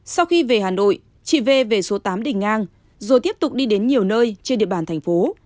sau khi về hà nội chị v về số tám đình ngang rồi tiếp tục đi đến nhiều nơi trên địa bàn thành phố